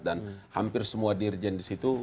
dan hampir semua dirjen disitu